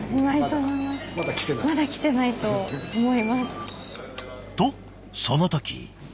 まだ来てない？とその時。